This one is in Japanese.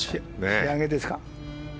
仕上げですか。